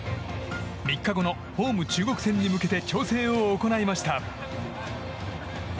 ３日後のホーム、中国戦へ向けて調整を行いました。